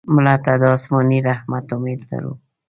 مړه ته د آسماني رحمت امید لرو